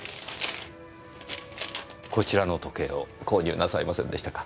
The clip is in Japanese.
こちらの時計を購入なさいませんでしたか？